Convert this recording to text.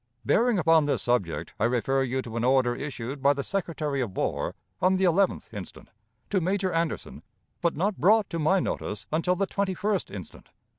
Bearing upon this subject, I refer you to an order issued by the Secretary of War, on the 11th instant, to Major Anderson, but not brought to my notice until the 21st instant.